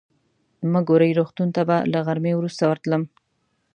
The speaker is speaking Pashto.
مګوري روغتون ته به له غرمې وروسته ورتلم.